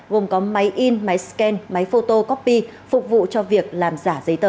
gồm có máy in máy scan máy photo copy phục vụ cho việc làm giả giấy tờ